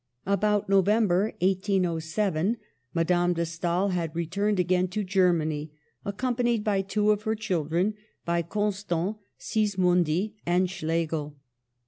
About November, 1807, Madame de Stael hacj returned again to Germany, accompanied by two of her children, by Constant, Sismondi, and Schlegel.